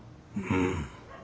うん。